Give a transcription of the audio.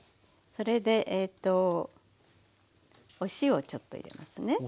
それでお塩をちょっと入れますね。